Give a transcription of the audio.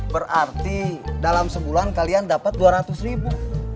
berarti dalam sebulan kalian dapat dua ratus ribu